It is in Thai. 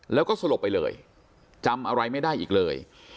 แล้วก็สลบไปเลยจำอะไรไม่ได้อีกเลย